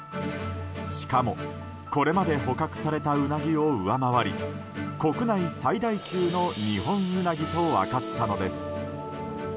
しかも、これまで捕獲されたウナギを上回り国内最大級のニホンウナギと分かったのです。